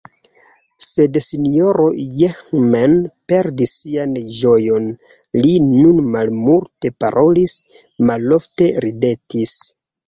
Sed S-ro Jehman perdis sian ĝojon; li nun malmulte parolis, malofte ridetis.